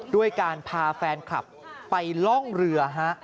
ด้วยการพาแฟนคลับไปล่องเรือฮะ